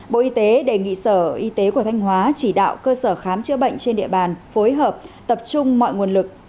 bộ y tế đề nghị sở y tế của thanh hóa chỉ đạo cơ sở khám chữa bệnh trên địa bàn phối hợp tập trung mọi nguồn lực